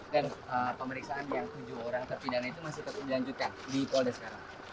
dan pemeriksaan yang tujuh orang terpindahkan itu masih terlanjutkan di polda sekarang